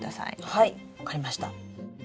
はい分かりました。